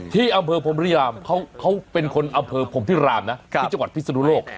ที่อำเภอพมฤยามเค้าเป็นคนอำเภอผมพิจารุโลกที่อาจารย์พิษานุโลก